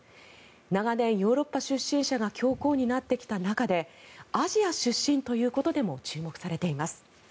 長年、ヨーロッパ出身者が教皇となってきた中でアジア出身ということでも注目されています。